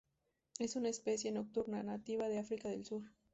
Es una especie nocturna, nativa de África del Sur.